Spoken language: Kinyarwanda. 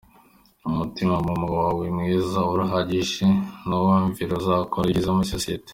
Umutima-nama wawe mwiza urahagije, nuwumvira uzakora ibyiza muri society.